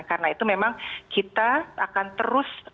karena itu memang kita akan terus